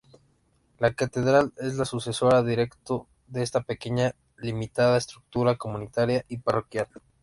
La Catedral es la sucesora directo de esta pequeña limitada estructura comunitaria y parroquial.